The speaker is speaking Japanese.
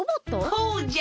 そうじゃ！